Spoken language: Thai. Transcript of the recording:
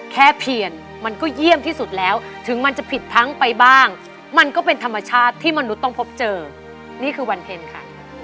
เพียนมันก็เยี่ยมที่สุดแล้วถึงมันจะผิดพังไปบ้างมันก็เป็นธรรมชาติที่มนุษย์ต้องพบเจอนี่คือวันเพ็ญค่ะ